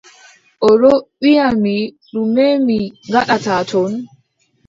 O ɗo wiʼa mi, ɗume mi ngaɗata ton.